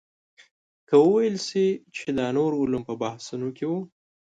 که وویل شي چې دا نور علوم په بحثونو کې وو.